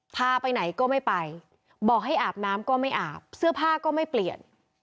พาไปไหนก็ไม่ไปบอกให้อาบน้ำก็ไม่อาบเสื้อผ้าก็ไม่เปลี่ยน